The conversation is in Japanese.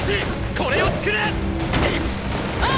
これを作れ！っ！